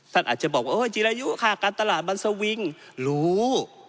ท่านอาจจะบอกว่าจีรายุค่ะการตลาดมันสวิงรู้